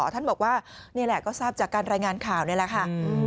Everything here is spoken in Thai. ท่านบอกว่านี่แหละก็ทราบจากการรายงานข่าวนี่แหละค่ะ